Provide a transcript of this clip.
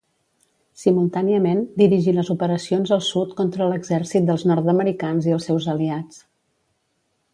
Simultàniament, dirigí les operacions al sud contra l'exèrcit dels nord-americans i els seus aliats.